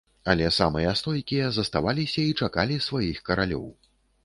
Але самыя стойкія заставаліся і чакалі сваіх каралёў.